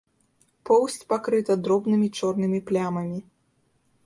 Поўсць пакрыта дробнымі чорнымі плямамі.